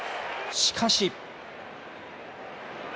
しかし。